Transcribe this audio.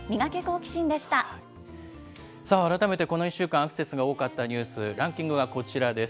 さあ、改めてこの１週間、アクセスが多かったニュース、ランキングはこちらです。